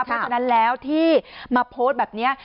เพราะฉะนั้นแล้วที่มาโพสต์แบบนี้